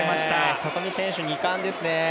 里見選手、２冠ですね。